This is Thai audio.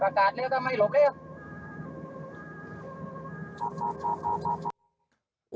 ประกาศเรียกับไม่หลบเรียก